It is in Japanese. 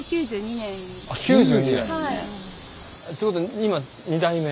あ９２年。ということは今２代目？